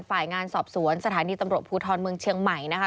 ฝ่ายงานสอบสวนสถานีตำรวจภูทรเมืองเชียงใหม่นะคะ